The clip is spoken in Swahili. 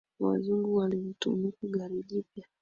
Wazungu walimtunuku gari jipya